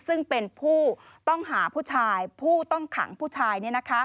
ซึ่งเป็นผู้ต้องหาผู้ชายผู้ต้องขังผู้ชาย